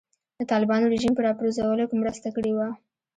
د طالبانو رژیم په راپرځولو کې مرسته کړې وه.